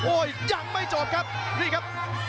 ยังไม่จบครับนี่ครับ